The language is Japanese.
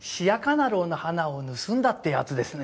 ナローの花を盗んだってやつですね